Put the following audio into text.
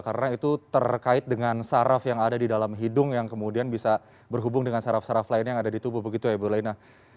karena itu terkait dengan saraf yang ada di dalam hidung yang kemudian bisa berhubung dengan saraf saraf lainnya yang ada di tubuh begitu ya bu lena